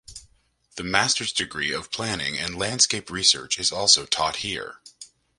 The master's degree of planning and landscape research is also taught here.